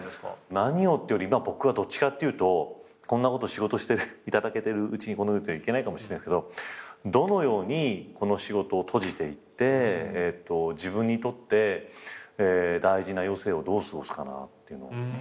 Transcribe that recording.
何をっていうより僕はどっちかっていうと仕事頂けてるうちにこんなこといけないかもしれないですけどどのようにこの仕事を閉じていって自分にとって大事な余生をどう過ごすかなっていうのを。